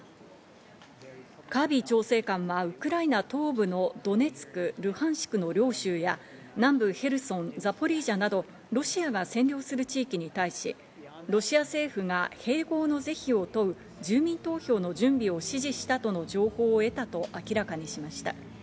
カービー調整官はウクライナ東部のドネツク、ルハンシクの両州や南部ヘルソン、ザポリージャなどロシアが占領する地域に対し、ロシア政府が併合の是非を問う住民投票の準備を指示したとの情報を得たと明らかにしました。